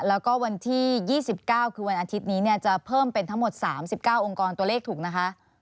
แล้วก็วันที่๒๙คือวันอาทิตย์นี้จะเพิ่มเป็นทั้งหมด๓๙องค์กรตัวเลขถูกนะคะ